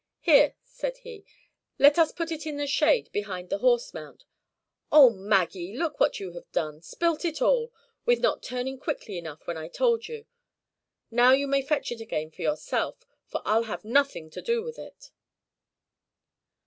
"Here," said he, "let us put it in the shade behind the horse mount. Oh, Maggie! look what you've done! Spilt it all, with not turning quickly enough when I told you. Now you may fetch it again for yourself, for I'll have nothing to do with it."